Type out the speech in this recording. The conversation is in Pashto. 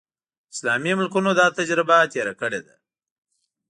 اسلامي ملکونو دا تجربه تېره کړې ده.